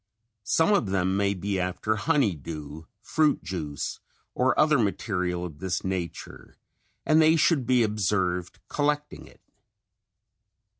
Some of them may be after honey dew, fruit juice or other material of this nature and they should be observed collecting it.